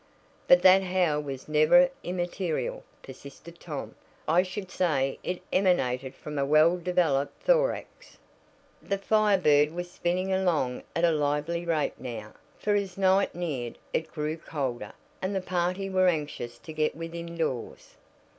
"But that howl was never immaterial," persisted Tom. "I should say it emanated from a well developed thorax." The Fire Bird was spinning along at a lively rate now, for as night neared it grew colder, and the party were anxious to get within doors.